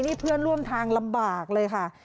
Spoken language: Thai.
นี่เพื่อนร่วมทางลำบากเลยค่ะ